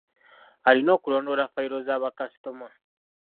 Alina okulondoola fayiro za bakasitoma.